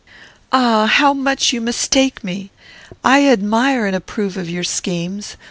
"Ah! how much you mistake me! I admire and approve of your schemes.